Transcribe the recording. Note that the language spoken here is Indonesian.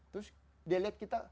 terus dia lihat kita